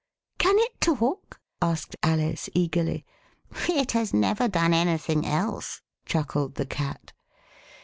Can it talk ?" asked Alice eagerly. "It has never done anything else," chuckled the Cat.